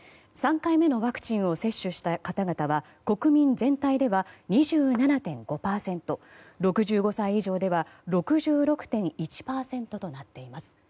３回目のワクチンを接種した方々は国民全体では２７．５％６５歳以上では６６．１％となっています。